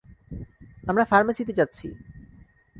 আমরা ফার্মেসিতে যাচ্ছি।